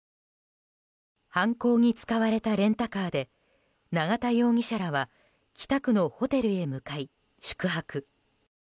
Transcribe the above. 犯行に使われたレンタカーで永田容疑者らは北区のホテルへ向かい宿泊。